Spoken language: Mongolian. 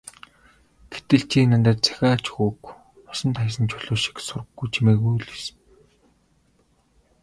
Гэтэл чи надад захиа ч өгөөгүй, усанд хаясан чулуу шиг сураг чимээгүй л байсан.